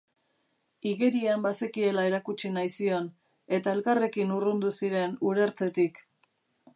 Igerian bazekiela erakutsi nahi zion, eta elkarrekin urrundu ziren urertzetik.